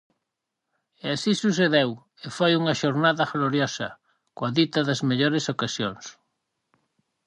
E así sucedeu, e foi unha xornada gloriosa, coa dita das mellores ocasións.